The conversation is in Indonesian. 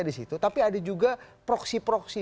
di situ tapi ada juga proksi proksi